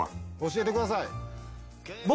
「教えてください！」